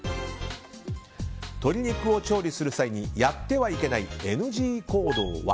鶏肉を調理する際にやってはいけないＮＧ行動は。